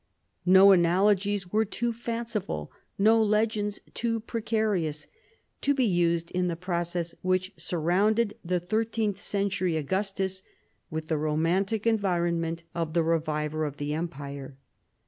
No analogies were too fanciful, no legends too precarious, to be used in the process which surrounded the thirteenth century Augustus with the romantic environment of the reviver of the Empire.